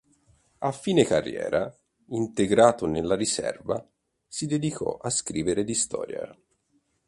A fine carriera, integrato nella riserva, si dedicò a scrivere di storia.